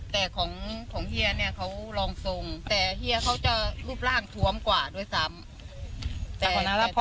แต่ของเฮียเนี่ยเขารองทรงแต่เฮียเขาจะรูปร่างทวมกว่าด้วยซ้ำ